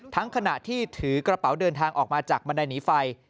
ขณะที่ถือกระเป๋าเดินทางออกมาจากบันไดหนีไฟ